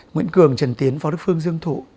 nguyễn cường trần tiến phó đức phương dương thụ